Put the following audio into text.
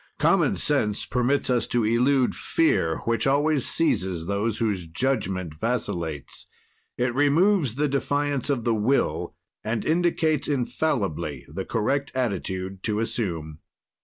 "Common sense permits us to elude fear which always seizes those whose judgment vacillates; it removes the defiance of the Will and indicates infallibly the correct attitude to assume."